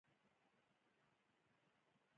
تا پورې څه مالې ته خپلې مزې کوه.